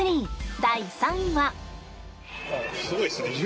第３位は。